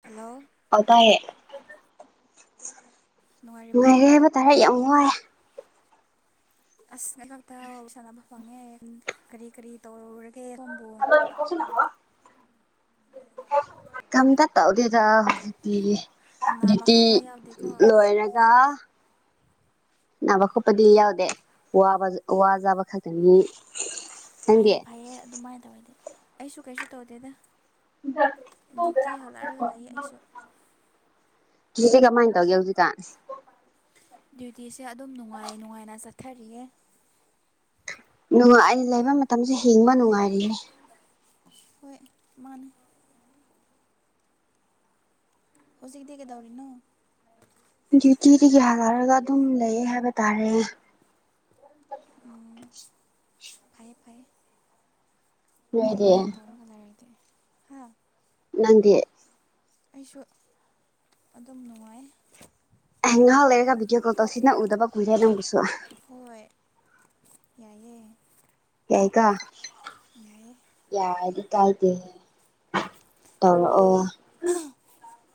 hello ꯑꯇꯥ ꯍ ꯅꯨꯡꯉꯥꯏꯔꯦ ꯅꯨꯡꯉꯥꯏꯔꯤꯕꯣ ꯍꯥꯏꯕ ꯇꯥꯔꯦ ꯌꯥꯝ ꯅꯨꯡ ꯋꯥꯏ ꯑꯁ ꯉ ꯈꯛꯇ ꯁꯥꯟꯅꯕ ꯐꯪꯉꯦ ꯀꯔꯤ ꯀꯔꯤ ꯇꯧꯔꯨꯔ ꯀꯦꯔꯨꯝꯝꯕꯣ ꯀꯝ ꯇ ꯇ ꯍꯧꯗꯔ ꯍꯧ ꯅꯥꯕ ꯗꯤꯌꯇꯤ ꯈꯣꯠꯄ ꯌꯥꯎꯗꯦꯀꯣ ꯂꯣꯏꯔꯒ ꯅꯥꯕ ꯈꯣꯠꯄꯗꯤ ꯌꯥꯎꯗꯦ ꯋꯥꯕ ꯋꯥꯖꯥꯕ ꯈꯛꯇꯅꯤ ꯅꯪꯗꯤ ꯐꯩꯌꯦꯦ ꯐꯩꯌꯦꯦ ꯑꯗꯨꯃꯥꯏꯅ ꯇꯧꯋꯦꯗꯤ ꯑꯩꯁꯨ ꯀꯩꯁꯨ ꯇꯧꯗꯦꯗ ꯗ꯭ꯌꯨꯇꯤ ꯍꯜꯂꯛꯑꯒ ꯂꯩ ꯑꯩꯁꯨ ꯁꯤꯖꯤꯁꯦ ꯀꯃꯥꯏꯅ ꯇꯧꯒꯦ ꯍꯧꯖꯤꯛꯀꯥꯟ ꯗ꯭ꯌꯨꯇꯤꯁꯦ ꯑꯗꯨꯝ ꯅꯨꯡꯉꯥꯏ ꯅꯨꯡꯉꯥꯏꯅ ꯆꯠꯊꯔꯤꯌꯦ ꯅꯨꯡꯉꯥꯏ ꯂꯩꯕ ꯃꯇꯝꯁꯦ ꯍꯤꯡꯕ ꯅꯨꯡꯉꯥꯏꯔꯤꯅꯦ ꯍꯣꯏ ꯃꯥꯅ ꯍꯧꯖꯤꯛꯒꯤꯗꯤꯒꯗꯧꯔꯤꯅꯣ ꯗ꯭ꯌꯨꯇꯤꯗꯒꯤ ꯍꯅꯔꯒ ꯑꯗꯨꯝ ꯂꯩ ꯍꯥꯏꯕ ꯇꯥꯔꯦ [unintelligible] ꯐꯥꯏꯌꯦꯦ ꯐꯌꯦꯦ ꯅꯣꯏꯗꯤ ꯑꯗꯨꯗꯃꯥꯏꯅ ꯇꯧꯔꯒꯗꯦꯗꯤꯦ ꯍꯥ ꯅꯪꯗ ꯑꯩꯁꯨ ꯑꯗꯨꯝ ꯅꯨꯡꯉꯥꯏ ꯉꯍꯥꯎ ꯂꯩꯔꯒ ꯚꯗꯤꯑꯣ ꯀꯣꯜ ꯇꯣ ꯁꯤꯅ ꯎꯗꯕ ꯀꯖ ꯑꯗꯨꯝ ꯨꯁꯨꯣꯛꯑꯣ ꯌꯥꯏꯑꯌꯦ ꯌꯥꯏ ꯀ ꯌꯥꯗ ꯇꯥꯏꯗ ꯀꯔꯤ ꯇꯧꯔꯛꯑꯣ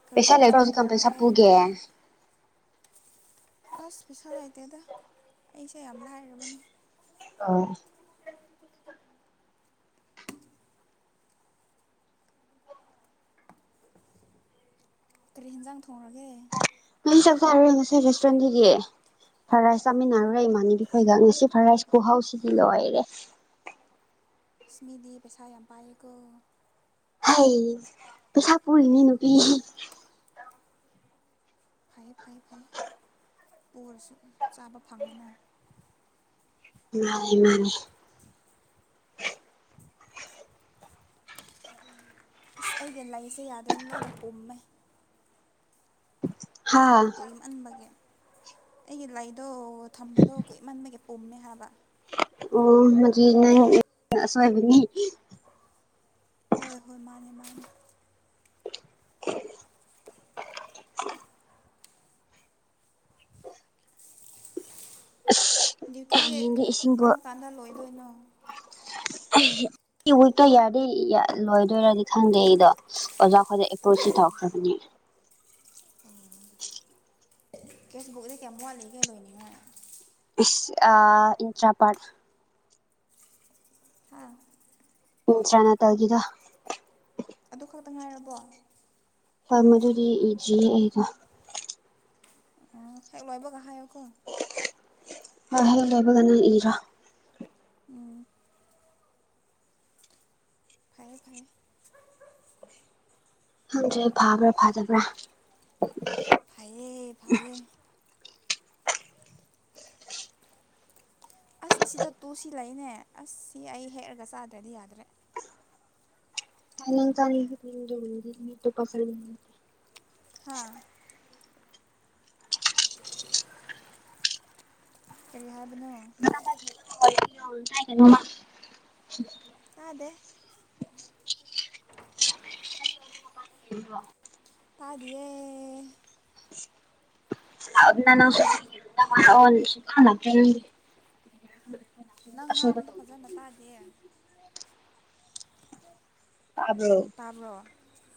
ꯀꯔꯤ ꯄꯩꯁꯥ ꯂꯩ ꯍꯤꯟꯖꯥꯡ ꯀ ꯄꯩꯁꯥ ꯊꯣꯡꯔꯒꯦ ꯄꯨꯒꯦ ꯑꯁ ꯄꯩꯁꯥ ꯂꯩꯇꯦꯗ ꯑꯩꯁꯦ ꯌꯥꯝ ꯂꯥꯏꯔꯕꯅꯤ ꯑꯥ ꯀꯔꯤ ꯌꯦꯟꯖꯥꯡ ꯊꯣꯡꯉꯒꯦ ꯆꯦꯦ ꯔꯦꯁꯇꯨꯔꯦꯟ ꯅꯒꯤꯌꯦ ꯐ꯭ꯔꯥꯏ ꯔꯥꯏꯁ ꯆꯥꯃꯤꯟꯅꯔꯨꯔꯦ ꯏꯃꯥꯅꯤꯒꯤꯈꯣꯏꯒ ꯉꯁꯤ ꯐ꯭ꯔꯥꯏ ꯔꯥꯏꯁ ꯀꯍꯥꯎꯁꯤꯗꯤ ꯂꯣꯏꯔꯦ ꯁꯃꯤꯗꯤ ꯄꯩꯁꯥ ꯌꯥꯝ ꯄꯀ ꯍꯩ ꯄꯩꯁꯥ ꯄꯨꯔꯤꯅꯤ ꯅꯨꯄꯤ ꯐꯩ ꯐꯩ ꯐꯩ ꯑꯣꯏꯔꯁꯨ ꯆꯥꯕ ꯐꯪꯉꯦꯅ ꯃꯥꯅꯦ ꯃꯥꯅꯦ ꯑꯁ ꯑꯩꯒꯤ ꯂꯩꯁꯦ ꯌꯥꯗ꯭ꯔꯦꯅ ꯂꯣꯏꯅ ꯎꯨꯝꯃꯦ ꯍꯥ ꯀꯨꯏꯃꯟꯕꯒꯦ ꯑꯩꯒꯤ ꯂꯩꯗꯣ ꯊꯝꯕꯗꯣ ꯀꯨꯏꯃꯟꯕꯒꯦ ꯄꯨꯝꯃꯦ ꯍꯥꯏꯕ ꯑꯣ ꯃꯒꯤ ꯅ ꯑꯁꯣꯏꯕꯅꯤ ꯍꯣꯏ ꯍꯣꯏ ꯃꯥꯅꯦ ꯃꯥꯅꯦ [unintelligible] ꯗ꯭ꯌꯨꯇꯤ ꯍꯌꯦꯡꯗꯤ ꯀꯔꯝ ꯀꯥꯟꯗ ꯂꯣꯏꯗꯣꯏꯅꯣ ꯑꯩ ꯋꯤꯛꯇꯣ ꯌꯥꯔꯗꯤ ꯂꯣꯏꯗꯣꯏꯔꯗꯤ ꯈꯪꯗꯦ ꯑꯩꯗꯣ ꯑꯣꯖꯥꯈꯖꯥ ꯑꯦꯄ꯭ꯔꯣꯁꯤ ꯇꯧꯈ꯭ꯔꯕꯅꯦ ꯎꯝ [inaudible] ꯀꯁꯕꯨꯛꯗ ꯀꯌꯥꯃꯨꯦꯒ ꯂꯣꯏꯅꯤꯡꯉ ꯏꯟꯗ꯭ꯔꯥꯄꯥꯔ ꯍꯥꯥ ꯃꯤꯇ꯭ꯔꯥ ꯅ ꯇꯒꯤꯒ ꯇ ꯉꯥꯏꯔꯕꯣ ꯐꯔ ꯃꯗꯨꯗꯤ ꯏꯗꯤ ꯑꯩꯗ ꯑꯣ ꯍꯦꯛ ꯂꯣꯏꯕ ꯉꯍꯥꯏꯀꯣ ꯑ ꯍꯦ ꯂꯩꯕꯒꯅ ꯏꯔ ꯎꯝ ꯐꯌꯦꯦ ꯐꯥꯏꯌꯦꯦ ꯍꯪꯗꯦ ꯐꯥꯕ꯭ꯔꯥ ꯐꯥꯗꯕ꯭ꯔꯥ ꯐꯌꯦ ꯐꯌꯦ ꯑꯁ ꯑꯁꯤꯗ ꯇꯨꯁꯤ ꯂꯩꯅꯦ ꯑꯁ ꯁꯤ ꯑꯩ ꯍꯦꯛꯑꯒ ꯆꯥꯗ꯭ꯔꯗꯤ ꯌꯥꯗ꯭ꯔꯦ ꯆ ꯆꯥꯗꯤ ꯇꯣ ꯄꯁꯔꯦ ꯍꯥ ꯀꯔꯤ ꯍꯥꯏ ꯀꯥꯏ ꯀꯩꯅꯣꯃ [unintelligible] [inaudible] ꯍ ꯋꯥ [unintelligible] [inaudible] ꯇꯥꯗꯤꯌꯦ ꯅ [unintelligible] [inaudible] ꯅꯪ ꯉꯥ ꯑꯗ ꯐꯖꯅ ꯇꯥꯗꯦ ꯑꯕ ꯇꯥꯕ꯭ꯔꯣ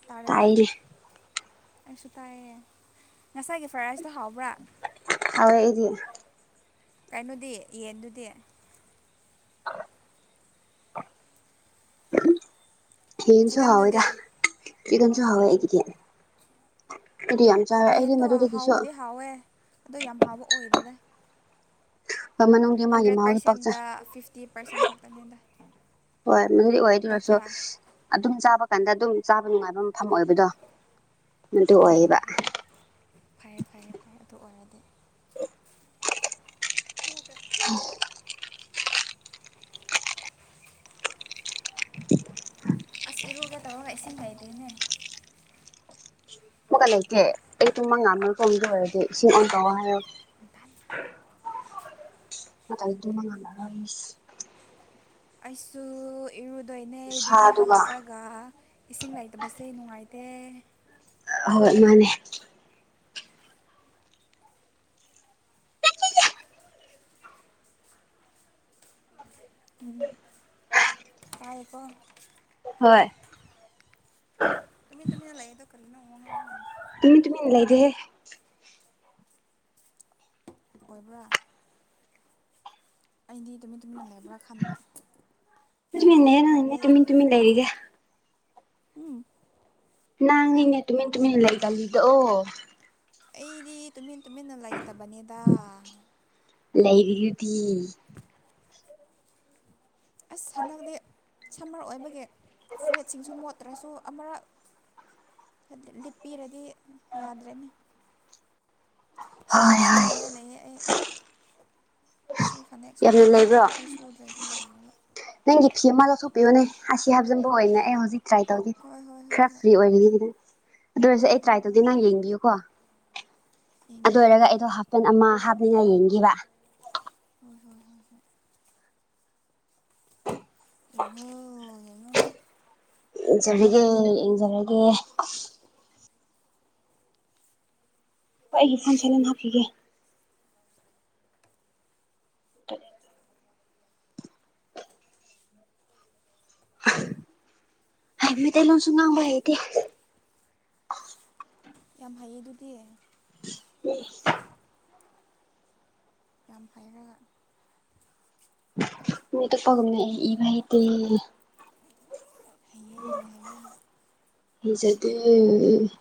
ꯇꯥꯔꯦ ꯇꯥꯏ ꯇꯥꯔꯦ ꯑꯩꯁꯨ ꯇꯥꯏꯌꯦ ꯉꯁꯥꯏꯒꯤ ꯐ꯭ꯔꯥꯏ ꯔꯥꯏꯁꯇꯣ ꯍꯥꯎꯕ꯭ꯔꯥ ꯍ ꯏꯗꯤ [inaudible] ꯀꯩꯅꯣꯗꯤ ꯌꯦꯟꯗꯨꯗꯤ ꯑ [unintelligible] [inaudible] ꯌꯦꯟꯁꯨ ꯍꯥꯎꯣꯏꯗ ꯆꯤꯀꯟꯗꯨꯗꯤ ꯀꯗꯝꯁꯨ ꯍꯋꯦ ꯑꯩꯒꯤꯗꯤ ꯑꯩꯗꯤ ꯌꯥꯝ ꯆꯥꯔꯦ ꯑꯩꯗꯤ ꯌꯦꯟꯗꯣ ꯃꯗꯨꯗꯒꯤꯁꯨ ꯍꯥꯎꯕꯗꯤ ꯍꯥꯎꯋꯦ ꯑꯗꯣ ꯌꯥꯝ ꯍꯥꯎꯕ ꯑꯣꯏꯗꯦꯗ ꯍꯣꯏ ꯃꯅꯨꯡꯗꯤ ꯃꯥꯒꯤ ꯍꯟꯗ꯭ꯔꯦꯠ ꯃꯍꯥꯎꯗꯤ ꯄꯥꯛ ꯆꯥꯏ ꯄꯥꯔꯁꯦꯟꯗ ꯐꯤꯐꯇꯤ ꯄꯥꯔꯁꯦꯟ ꯈꯛꯇꯅꯤꯗ ꯍꯣꯏ ꯃꯗꯨꯗꯤ ꯑꯣꯏ ꯑꯗꯨꯔꯁꯨ ꯅꯠꯇ꯭ꯔꯥ ꯑꯗꯨꯝ ꯆꯥꯕ ꯀꯥꯟꯗ ꯑꯗꯨꯝ ꯆꯥꯕ ꯅꯨꯡꯉꯥꯏꯕ ꯗ ꯍꯣꯏ ꯍꯣꯏ ꯍꯣꯏ ꯐꯩꯦ ꯐꯩꯦ ꯐꯩ ꯑꯗꯨ ꯑꯣꯏꯔꯗꯤ ꯍ ꯇ [unintelligible] [inaudible] ꯎ [unintelligible] [inaudible] ꯑꯁ ꯏꯔꯨꯒꯦ ꯇꯧꯔꯒ ꯏꯁꯤꯡ ꯂꯩꯥꯏꯇꯦꯅꯦ ꯃ ꯀ ꯂꯩꯇꯦ ꯑꯩ ꯇꯨꯝꯃ ꯉꯥ ꯀꯝꯗ ꯑꯣꯏꯔꯗꯤ ꯁꯤꯁꯤꯡ ꯑꯣꯟ ꯇ ꯍꯥꯏꯔꯣ ꯑ ꯇꯒꯤꯗꯨꯃ ꯉꯂꯔꯁ ꯑꯩꯁꯨ ꯏꯔꯨꯗꯣꯏꯅꯦ ꯗ꯭ꯌꯨꯇꯤ ꯈꯨꯁꯥꯗꯨꯒ ꯍꯜꯂꯛꯂꯒ ꯏꯁꯤꯡ ꯂꯩꯇꯕꯁꯦ ꯅꯨꯡꯉꯥꯏꯇꯦ ꯇ [unintelligible] [inaudible] ꯍꯣꯏ ꯃꯥꯅꯦ ꯎꯝ ꯀꯥꯏꯄꯣ ꯍꯣꯏ ꯇꯃꯤ ꯇꯃꯤꯅ ꯂꯩꯗ ꯀꯔꯤꯅ ꯎꯡ ꯇꯃꯤ ꯇꯃꯤꯅꯤ ꯂꯩꯗꯦ ꯑꯣꯏꯣꯏꯕ꯭ꯔꯥ ꯑꯗꯤꯗꯃꯤꯃꯤ ꯂꯪ ꯈ꯭ꯔꯥ ꯈꯟꯕ ꯂꯩꯇ꯭ꯔꯗꯤ ꯇꯨꯃꯤꯟꯅꯦ ꯅꯪꯅꯦ ꯐꯔꯦ ꯇꯨꯃꯤꯟ ꯇꯨꯃꯤꯟ ꯂꯩꯔꯤꯁꯦ ꯎꯝ ꯅꯪꯉꯏꯅꯦ ꯇꯨꯃꯤ ꯇꯃꯤꯟꯅ ꯂꯩꯗꯜꯂꯤꯗꯣ ꯑꯣ ꯑꯩꯗꯤ ꯇꯨꯃꯤꯟ ꯇꯨꯃꯤꯟꯅ ꯂꯩꯇꯕꯅꯤꯗ ꯂꯩꯔꯤꯗꯤ ꯑꯁ ꯍꯟꯗꯛꯇꯤ ꯁꯝꯃꯔ ꯑꯣꯏꯕꯒꯤ ꯐꯨꯔꯤꯠꯁꯤꯡꯁꯨ ꯃꯣꯠꯇ꯭ꯔꯁꯨ ꯑꯃꯔꯛ ꯂꯤꯞꯄꯤꯔꯗꯤ ꯌꯥꯗ꯭ꯔꯦꯅꯦ ꯁꯤꯁꯨ ꯍꯣꯏ ꯍꯣꯏ ꯁꯨꯅꯤꯉꯥꯏ ꯂꯩꯌꯦ ꯑꯩ ꯁꯤ ꯐꯅꯦꯛꯁꯨ ꯌꯥꯝꯅ ꯂꯩꯕ꯭ꯔꯣ ꯃꯇꯥꯏꯗꯣ ꯑꯩ ꯁꯨꯗ꯭ꯔꯗꯤ ꯌꯥꯔ ꯅꯪꯒꯤ ꯐ꯭ꯤ ꯑꯃ ꯂꯧꯊꯣꯛꯄꯤꯌꯣꯅꯦ ꯑꯁꯤ ꯍꯥꯞꯆꯤꯟꯕ ꯑꯣꯏꯅꯅꯦ ꯑꯦ ꯍꯧꯖꯤꯛ ꯇ꯭ꯔꯥꯏ ꯇꯧꯈꯤ ꯍꯣꯏ ꯍꯣꯏ ꯍꯣꯏ ꯈꯔ ꯍꯣꯏ ꯐ꯭ꯔꯤ ꯑꯣꯏꯔꯤꯒꯦꯗ ꯑꯗꯨ ꯑꯣꯏꯔꯁꯨ ꯍꯣꯏ ꯑꯩ ꯇ꯭ꯔꯥꯏ ꯍꯣꯏ ꯍꯣꯏ ꯇꯧꯒꯦ ꯅ ꯍꯣꯏ ꯌꯦꯡꯕꯤꯌꯨꯀꯣ ꯌꯦꯡꯒꯦ ꯑꯗꯨ ꯑꯣꯏꯔꯒ ꯌꯦꯡꯒꯦ ꯑꯩꯗꯣ ꯍꯥꯞꯄꯦꯟ ꯑꯃ ꯍꯥꯞꯂꯤꯉꯥꯏ ꯌꯦꯡꯈꯤꯕ ꯍꯣꯏ ꯍꯣꯏ ꯍꯣꯏ ꯍꯣꯏ ꯌꯦꯉꯣ ꯌꯦꯉꯣ ꯌꯦꯡꯖꯔꯒꯦ ꯌꯦꯡꯖꯔꯒꯦ ꯑꯩ ꯑꯩꯒꯤ ꯐꯣꯟ ꯆꯠꯂꯅ ꯍꯥꯞꯄꯤꯒꯦ ꯍꯥꯏ ꯇ ꯂꯣꯟꯁꯨ ꯉꯕꯥꯏꯗꯤꯦ ꯌꯥꯝ ꯍꯩꯌꯦ ꯑꯗꯨꯗꯤ [unintelligible] ꯌꯥꯝ ꯐꯩꯔꯒ ꯃꯤꯇ ꯄꯒꯝꯅ ꯏꯕ ꯏꯗꯤ ꯍꯩꯌꯦ ꯍꯩꯌꯦ [unintelligible]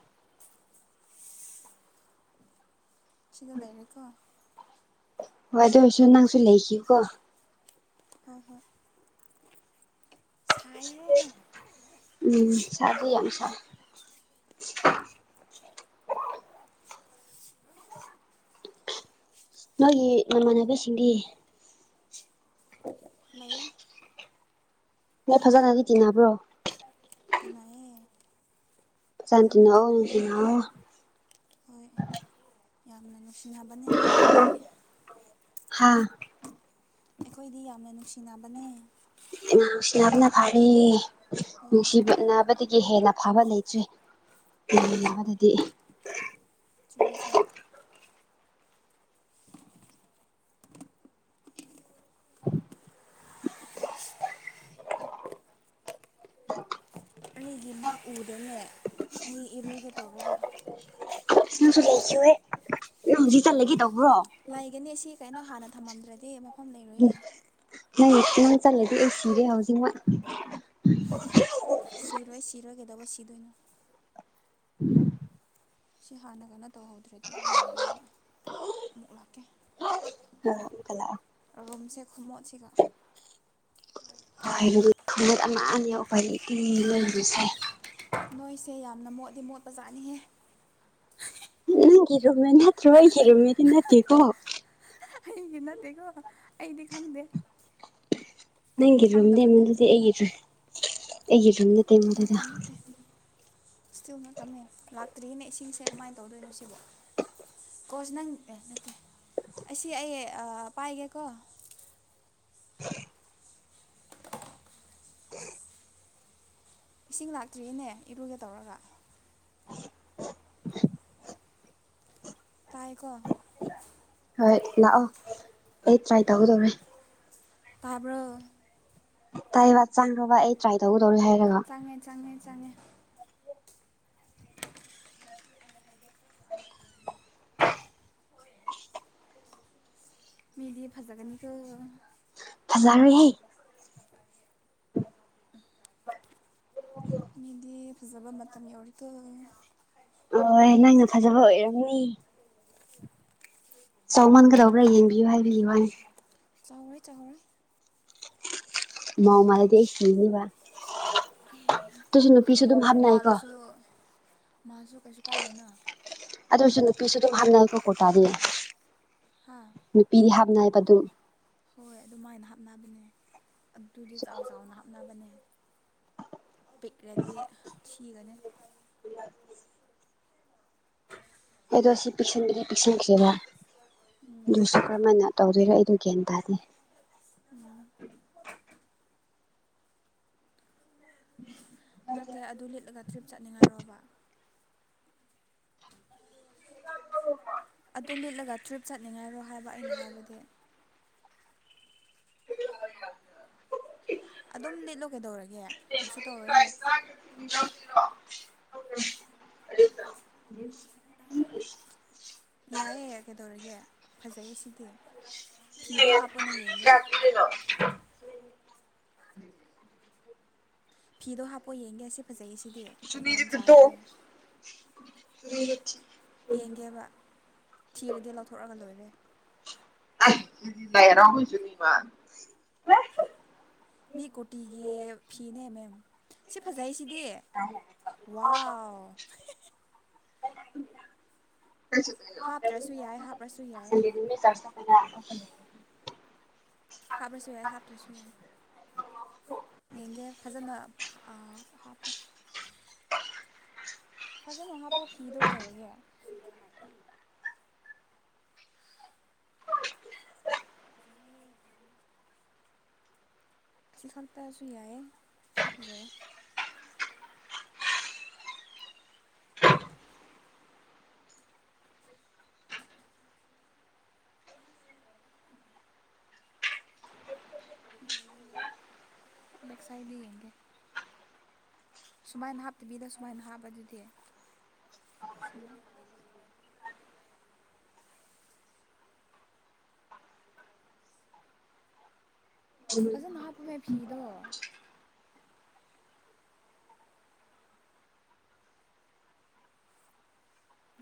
ꯁꯤꯒ ꯂꯩꯔꯦꯀꯣ ꯍꯝ ꯑꯗꯨꯁꯣ ꯅꯪꯁꯨ ꯂꯩꯈꯤꯀꯣ ꯑ ꯍꯣꯏ ꯍꯣꯏ ꯁꯥꯏꯍꯦ ꯎꯝ ꯁꯥꯕꯤ ꯌꯥꯝꯝ ꯁꯥ [unintelligible] [unintelligible] ꯅꯣꯏꯒꯤ ꯃꯃꯥꯟꯅꯕꯁꯤꯡꯗꯤ ꯃꯅꯦ ꯅꯣꯏ ꯐꯖꯅꯒꯤꯇꯤ ꯅꯕ꯭ꯔꯣ ꯀꯃꯑꯌꯦ ꯐꯖꯅ ꯇꯤꯟꯅꯧꯑꯣ ꯇꯤꯟꯅꯩꯌꯦ ꯅꯨꯡꯁꯤꯅꯧꯑꯣ ꯂꯣꯟꯅ ꯍꯣꯏ ꯌꯥꯝꯅ ꯅꯨꯡꯁꯤꯟꯅꯅꯕꯅꯤ ꯑꯩꯈꯣꯏꯗꯤ ꯍꯥ ꯑꯩꯈꯣꯏꯗꯤ ꯌꯥꯝꯅ ꯅꯨꯡꯁꯤꯅꯕꯅꯦ ꯍꯣꯏ ꯅꯨꯡꯁꯤꯕꯤꯅꯕꯗꯒꯤ ꯍꯦꯟꯅ ꯐꯕ ꯂꯩꯇ꯭ꯔꯤ ꯎꯝ ꯆꯨꯝꯃꯦ ꯆꯨꯝꯃꯦ ꯌꯥꯗꯗꯤ [unintelligible] [unintelligible] ꯑꯩꯒꯤ ꯃ ꯎꯗꯣꯏꯅꯦ ꯑꯩ ꯏꯔꯨꯒꯦ ꯇꯧꯔꯒ ꯂꯩꯖꯤ ꯆꯂꯒꯦ ꯇꯧꯕꯥꯅꯦ ꯂꯩꯒꯅꯤ ꯁꯤ ꯀꯩꯅꯣ ꯍꯥꯟꯅ ꯊꯝꯃꯝꯗ꯭ꯔꯗꯤ ꯃꯐꯝ ꯂꯩꯔꯨꯌꯦ ꯅꯪꯠꯇ ꯆꯜꯂꯗꯤ ꯑꯩ ꯁꯤꯔꯦ ꯍꯧꯖꯤꯛꯃꯛ ꯁꯤꯔꯣꯏ ꯁꯤꯔꯣꯏꯒꯗꯧꯕ ꯁꯤꯗꯣꯏꯅꯣ ꯁꯤ ꯍꯥꯟꯅ ꯀꯩꯅꯣ ꯇꯧꯍꯧꯗ꯭ꯔꯗꯤ ꯌꯥꯔꯣꯏꯑꯕ ꯑꯃꯨꯛ ꯂꯥꯛꯀꯦ ꯍꯝ ꯀꯌꯥ ꯔꯨꯝꯁꯦ ꯈꯃꯣꯠꯁꯤꯒ ꯍꯥꯩꯔ ꯈꯒꯠ ꯑꯃ ꯌꯥꯎꯈꯇꯤ ꯂꯩꯁꯦ ꯁꯦ ꯌꯥꯝꯅ ꯃꯣꯠꯂꯤ ꯃꯣꯠꯄ ꯆꯥꯠꯅꯤꯍꯦ ꯅꯪꯒꯤꯔꯨꯝꯃꯦ ꯅꯠꯇ꯭ꯔꯣ ꯑꯩꯒꯤꯔꯝꯃꯦꯗꯤ ꯅꯠꯇꯦꯀꯣ ꯑꯩꯒꯤ ꯅꯠꯇꯦꯀꯣ ꯑꯩꯗꯤ ꯈꯪꯗꯦ ꯑꯩꯗꯤ ꯅꯪꯒꯤ ꯈꯪꯗꯕꯅꯦ ꯔꯨꯝꯗꯉꯣꯟꯗꯨꯗꯤ ꯑꯩꯒꯤ ꯑꯩꯒꯤꯔꯨꯝ ꯅꯠꯇꯦꯉꯣꯟꯗꯨꯗ ꯏꯁꯇꯤꯜꯅ ꯇꯝꯃꯦ ꯂꯥꯛꯇ꯭ꯔꯤꯅꯦ ꯏꯁꯤꯡꯁꯦ ꯀꯃꯥꯏꯅ ꯇꯧꯗꯣꯏꯅꯣ ꯁꯤꯕꯣ ꯀꯣꯆ ꯅꯪ ꯅꯠꯇꯦ ꯑꯁꯤ ꯑꯩ ꯄꯥꯏꯒꯦꯀꯣ ꯏꯁꯤꯡ ꯂꯥꯛꯇ꯭ꯔꯤꯌꯦꯅꯦ ꯏꯔꯨꯒꯦ ꯇꯧꯔꯒ ꯄꯥꯏꯒꯣ ꯍꯣꯏ ꯂꯥꯛꯑꯣ ꯑꯦ ꯇ꯭ꯔꯥꯏ ꯇꯧ ꯇꯃꯦ ꯇꯥꯕꯔ ꯇꯥꯏ ꯋꯥ ꯆꯥꯡ꯭ꯔꯣ ꯇ꯭ꯔꯥꯏ ꯇꯧꯕ ꯆꯪꯉꯦ ꯆꯪꯉꯦ ꯆꯪꯉꯦ [inaudible] ꯃꯤꯗꯤ ꯐꯖꯒꯅꯤꯈ ꯐꯖꯥꯅꯤ ꯍꯥꯏ ꯃꯤꯗꯤ ꯐꯖꯕ ꯃꯇꯝ ꯌꯧꯔꯤꯀ ꯍꯣꯏ ꯅꯪꯅ ꯐꯖꯕ ꯑꯣꯏꯔꯝꯅꯤ ꯆꯧꯃꯟꯒꯗꯧꯕ꯭ꯔꯥ ꯌꯦꯡꯕꯤꯌꯨ ꯍꯥꯏꯕꯤꯌꯨ ꯋꯥꯅꯤ ꯆꯧꯔꯣꯏ ꯆꯧꯔꯣꯏ ꯃꯑꯣ ꯃꯥꯥꯏꯗꯤ ꯀꯅꯤꯕ ꯑꯗꯨꯁꯨ ꯅꯨꯄꯤꯁꯨ ꯑꯗꯨꯝ ꯍꯥꯞꯅꯩꯀꯣ ꯃꯥꯁꯨ ꯀꯁꯁꯨ ꯀꯥꯏ ꯂꯩꯦꯅ ꯑꯗꯨ ꯑꯣꯏꯔꯁꯨ ꯅꯨꯄꯤꯁꯨ ꯑꯗꯨꯝ ꯍꯥꯞꯅꯀꯣꯀꯣꯇꯥꯥꯗꯤ ꯍꯥꯥ ꯅꯨꯄꯤꯗꯤ ꯍꯥꯞꯅꯏꯕ ꯑꯗꯨꯝ ꯍꯣꯏ ꯑꯗꯨꯃꯥꯏꯅ ꯍꯥꯞꯅꯕꯅꯦ ꯑꯗꯨꯗꯤ ꯆꯥꯎ ꯆꯥꯎꯅ ꯍꯥꯞꯅꯕꯅꯦ ꯄꯤꯛ꯭ꯔꯦꯗꯤ ꯊꯤꯒꯅꯦ ꯑꯩꯗꯣ ꯁꯤ ꯄꯤꯛꯁꯤꯟꯕꯗꯤ ꯄꯤꯛꯁꯤꯟꯈꯤꯔ ꯑꯗꯨꯁꯨ ꯀꯔꯝꯍ ꯍꯥꯏꯅ ꯇꯧꯗꯣꯏꯔꯣ ꯑꯩ ꯒ꯭ꯌꯥꯟ ꯇꯥꯅꯤ ꯎꯝ ꯅꯠꯇꯦ ꯑꯗꯨ ꯂꯤꯠꯂꯒ ꯇ꯭ꯔꯤꯞ ꯆꯠꯅꯤꯡꯉꯥꯏꯔꯕ ꯆ ꯑꯗꯨ ꯂꯤꯠꯂꯒ ꯇ꯭ꯔꯤꯞ ꯆꯠꯅꯤꯡꯉꯥꯏꯔꯣ ꯍꯥꯏꯕ ꯑꯩꯅ ꯍꯥꯏꯕꯗꯤ ꯐ ꯑꯔꯦꯅꯤꯗ ꯑꯗꯨꯝ ꯂꯤꯠꯂꯣ ꯀꯩꯗꯧꯔꯒꯦ ꯀꯩꯁꯨ ꯇꯧꯔꯒꯦ ꯍ ꯌꯥꯏꯑꯦ ꯀꯩꯗꯧꯔꯒꯦ ꯐꯖꯩꯌꯦ ꯁꯤ ꯐꯤꯗꯣ ꯍꯥꯄꯨꯅ ꯌꯦꯡꯒꯦ ꯎꯝ ꯐꯤꯗꯣ ꯍꯥꯞꯄꯣ ꯌꯦꯡꯒꯦ ꯑꯁꯤ ꯐꯖꯩ ꯁꯤꯗꯤ ꯌꯥꯝ ꯆꯥꯎꯗꯦ ꯎꯝ ꯌꯦꯡꯒꯦꯕ ꯊꯤꯔꯗꯤ ꯂꯧꯊꯣꯛꯒ ꯂꯣꯏꯔꯦ ꯖꯤꯔꯝꯁꯨꯅꯤ ꯏꯃ ꯃꯤ ꯀꯣꯇꯤꯒꯤ ꯐꯤꯅꯦꯃꯦꯝ ꯁꯤ ꯐꯖꯩ ꯁꯤꯗꯤ ꯋꯥꯎ ꯍꯥꯞꯇ꯭ꯔꯁꯨ ꯌꯥꯏ ꯆ ꯍꯥꯞꯄ꯭ꯔꯁꯨ ꯌꯥꯏ ꯑ ꯍꯥꯞꯄ꯭ꯔꯁꯨ ꯌꯥꯏ ꯍꯥꯞ꯭ꯔꯁꯨ ꯌꯥꯏ ꯌꯦꯡꯒꯦ ꯐꯖꯅ ꯍꯥ ꯐꯖꯅ ꯍꯥꯥꯄꯨ ꯐꯤꯗꯧꯒꯗꯔꯒꯦ ꯁꯤ ꯈꯛꯇꯁꯨ ꯌꯥꯏꯌꯦ ꯁꯤ ꯐꯖꯩ ꯕꯦꯛꯁꯥꯏꯗꯤ ꯌꯦꯡꯒꯦ ꯁꯨꯃꯥꯏꯅ ꯍꯥꯞꯇꯕꯤꯗ ꯁꯨꯃꯥꯏꯅ ꯍꯥꯞꯄ ꯑꯗꯨꯗꯤ ꯁꯤ ꯐꯖꯅ ꯍꯥꯞꯄꯃꯦ ꯐꯤꯗꯣ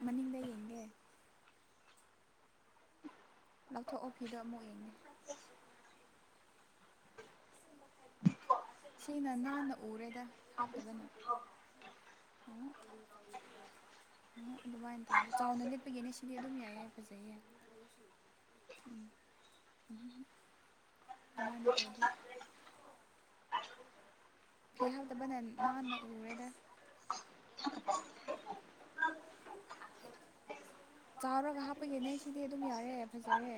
ꯃꯅꯤꯡꯅꯤꯡꯗ ꯌꯦꯡꯒꯦ ꯂꯧꯊꯣꯛꯑꯣ ꯐꯤꯗꯣ ꯑꯃꯨꯛ ꯌꯦꯡꯉꯦ ꯁꯤꯅ ꯍꯟꯅ ꯎꯔꯦꯗ ꯍꯥꯞꯇꯕꯅ ꯎ ꯑꯗꯨꯃꯥꯏꯅ ꯇꯧꯅꯤ ꯆꯥꯎꯅ ꯂꯦꯠꯄꯒꯤꯅꯦ ꯁꯤꯗꯤ ꯑꯗꯨꯝ ꯌꯥꯏ ꯌꯥ ꯐꯖꯩꯌꯦ ꯎꯝ ꯎ ꯑꯗꯨꯃꯥꯏꯅ ꯇꯧꯋ ꯐꯤ ꯍꯥꯏꯕꯇꯕꯅ ꯅꯥꯟꯅ ꯎꯔꯦꯗ [unintelligible] ꯆꯥꯎꯔꯒ ꯍꯥꯞꯄꯒꯤꯦꯅꯦ ꯁꯤꯗꯤ ꯑꯗꯨꯝ ꯌꯥꯔꯦ ꯐꯖꯔꯦ